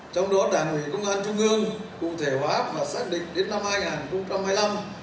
trong đó đảng ủy công an trung ương cụ thể hóa và xác định đến năm hai nghìn hai mươi năm